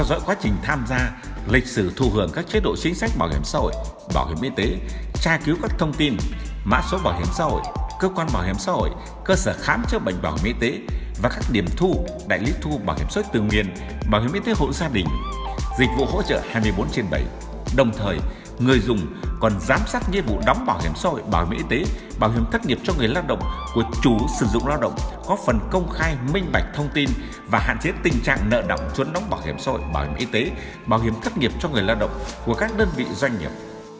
dịch vụ hỗ trợ hai mươi bốn trên bảy đồng thời người dùng còn giám sát nhiệm vụ đóng bảo hiểm sôi bảo hiểm y tế bảo hiểm thất nghiệp cho người lao động của chủ sử dụng lao động góp phần công khai minh bạch thông tin và hạn chế tình trạng nợ động chuẩn đóng bảo hiểm sôi bảo hiểm y tế bảo hiểm thất nghiệp cho người lao động của các đơn vị doanh nghiệp